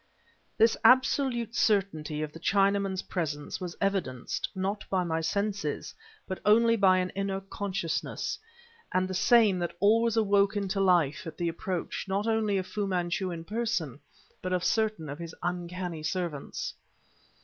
This absolute certainty of the Chinaman's presence was evidenced, not by my senses, but only by an inner consciousness, and the same that always awoke into life at the approach not only of Fu Manchu in person but of certain of his uncanny servants.